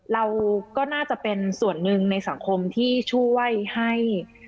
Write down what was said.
เราก็น่าจะเป็นส่วนหนึ่งในสังคมที่ช่วยให้